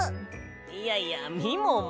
いやいやみもも。